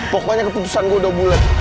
pokoknya keputusan gue udah bulet